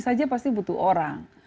saja pasti butuh orang